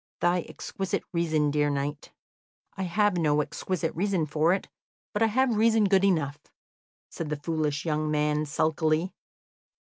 "Thy exquisite reason, dear knight?" "I have no exquisite reason for it, but I have reason good enough," said the foolish young man sulkily.